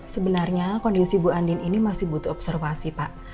sebenarnya kondisi bu andin ini masih butuh observasi pak